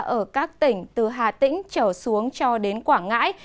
ở các tỉnh từ hà tĩnh trở xuống cho đến quảng ngãi